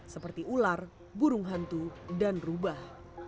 seperti ular burung hantu dan rubah